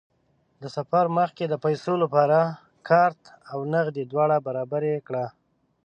د سفر مخکې د پیسو لپاره کارت او نغدې دواړه برابرې کړه.